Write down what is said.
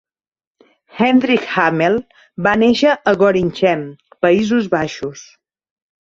Hendrick Hamel va néixer a Gorinchem, Països Baixos.